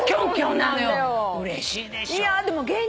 うれしいでしょ。